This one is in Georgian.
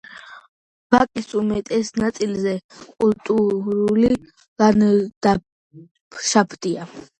ვაკის უმეტეს ნაწილზე კულტურული ლანდშაფტია.